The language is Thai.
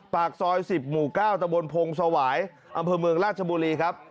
ปากซอย๑๐หมู่๙ตะบนพงศวายอำเภอเมืองราชบุรีครับ